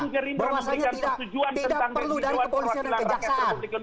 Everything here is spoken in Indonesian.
berwasanya tidak perlu dari kepolisian dan kejaksaan